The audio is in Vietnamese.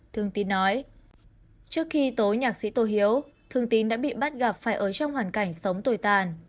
trước khi tối nhạc sĩ tổ hiếu thương tín đã bị bắt gặp phải ở trong hoàn cảnh sống tồi tàn